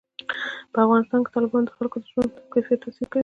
په افغانستان کې تالابونه د خلکو د ژوند په کیفیت تاثیر کوي.